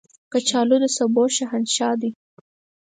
کچالو د سبو شهنشاه دی